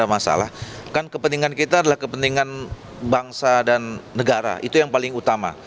ada masalah kan kepentingan kita adalah kepentingan bangsa dan negara itu yang paling utama